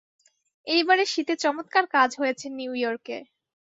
এইবারের শীতে চমৎকার কাজ হয়েছে নিউ ইয়র্কে।